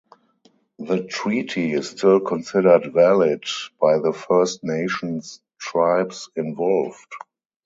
The treaty is still considered valid by the First Nations tribes involved.